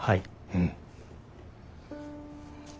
うん。